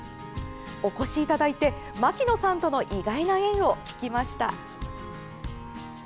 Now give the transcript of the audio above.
お越しいただいて、牧野さんとの意外な縁を聞きました。